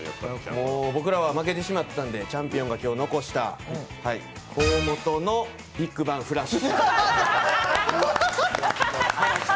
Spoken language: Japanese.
僕らは負けてしまったので、チャンピオンが残した河本のビッグバンフラッシュ。